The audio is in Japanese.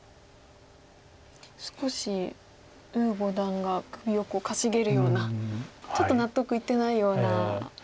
少し呉五段が首をかしげるようなちょっと納得いってないような表情でしたが。